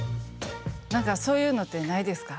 何かそういうのってないですか？